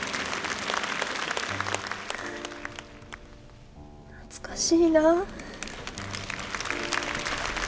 懐かしいなぁあのころが。